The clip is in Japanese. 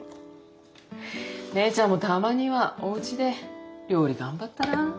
芽依ちゃんもたまにはおうちで料理頑張ったら？